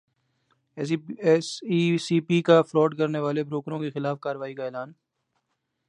S E C P کا فراڈ کرنیوالے بروکروں کیخلاف کارروائی کا اعلان